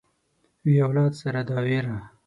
وي اولاد سره دا وېره